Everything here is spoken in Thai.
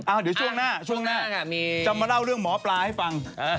เดี๋ยวช่วงหน้าช่วงหน้าจะมาเล่าเรื่องหมอปลาให้ฟัง